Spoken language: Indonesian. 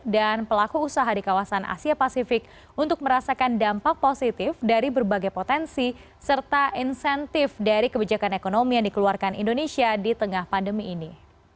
dan pelaku usaha di kawasan asia pasifik untuk merasakan dampak positif dari berbagai potensi serta insentif dari kebijakan ekonomi yang dikeluarkan indonesia di tengah pandemi ini